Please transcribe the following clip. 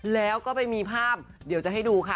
แล้วก็ไปมีภาพเดี๋ยวจะให้ดูค่ะ